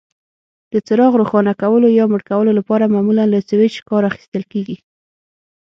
د څراغ روښانه کولو یا مړ کولو لپاره معمولا له سویچ کار اخیستل کېږي.